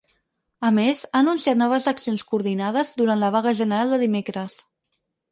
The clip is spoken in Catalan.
A més, ha anunciat noves accions coordinades durant la vaga general de dimecres.